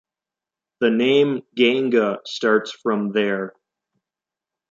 The name Ganga starts from their.